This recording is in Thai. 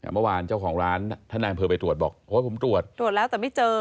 เมื่อวานเจ้าของร้านท่านนายอำเภอไปตรวจบอกโอ้ยผมตรวจตรวจแล้วแต่ไม่เจอ